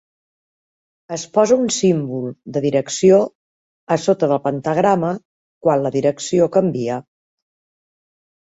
Es posa un símbol de direcció a sota del pentagrama quan la direcció canvia.